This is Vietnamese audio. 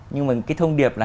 nhưng mà cái thông điệp là